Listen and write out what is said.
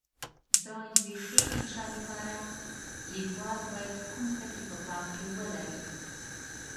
د یوې ښې انشأ لپاره لیکوال باید کوم ټکي په پام کې ولري؟